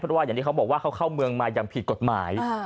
เพราะว่าอย่างที่เขาบอกว่าเขาเข้าเมืองมาอย่างผิดกฎหมาย